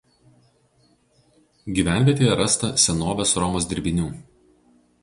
Gyvenvietėje rasta senovės Romos dirbinių.